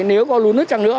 nếu có lú nứt